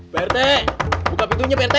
pak rete buka pintunya pak rete